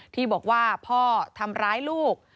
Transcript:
ที่บอกว่าพ่อทำร้ายลูก